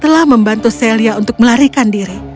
telah membantu celia untuk melarikan diri